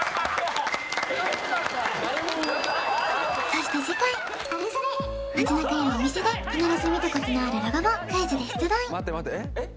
そして次回街なかやお店で必ず見たことのあるロゴをクイズで出題待って待ってえっ？